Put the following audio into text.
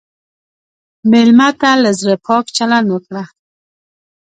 مېلمه ته له زړه پاک چلند وکړه.